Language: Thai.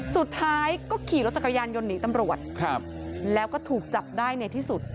สุดท้ายก็ขี่รถจักรยานยนต์หนีตำรวจแล้วก็ถูกจับได้ในที่สุด